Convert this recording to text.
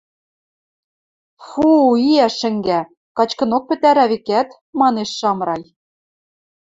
— Фу-у, иӓ шӹнгӓ, качкынок пӹтӓрӓ, векӓт? — манеш Шамрай.